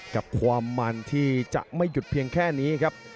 กับความมันที่จะไม่หยุดเพียงแค่นี้ครับ